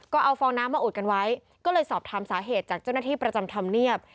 ก็เอาฟองน้ำมาอุดกันไว้ก็เลยสอบถามสาเหตุจากเจ้าหน้าที่ประจำธรรมเนียบ